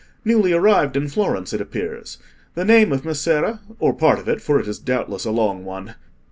"Newly arrived in Florence, it appears. The name of Messere—or part of it, for it is doubtless a long one?"